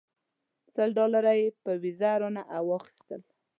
سل ډالره یې په ویزه رانه واخیستل.